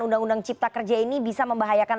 undang undang cipta kerja ini bisa membahayakan